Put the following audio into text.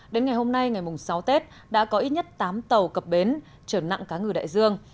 đến ngày hôm nay ngày sáu tết đã có ít nhất tám tàu cập bến trở nặng cá ngừ đại dương